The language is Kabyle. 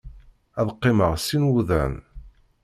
Ad qqimeɣ sin wuḍan.